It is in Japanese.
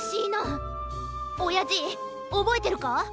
おやじおぼえてるか？